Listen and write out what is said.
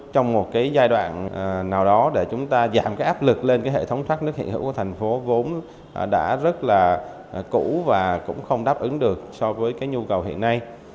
trong một giai đoạn nào đó để chúng ta giảm áp lực lên hệ thống thoát nước hiện hữu của thành phố vốn đã rất là cũ và cũng không đáp ứng được so với nhu cầu hiện nay